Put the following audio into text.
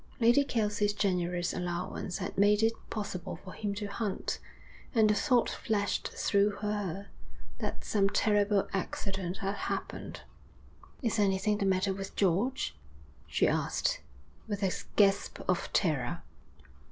Lady Kelsey's generous allowance had made it possible for him to hunt, and the thought flashed through her that some terrible accident had happened. 'Is anything the matter with George?' she asked, with a gasp of terror.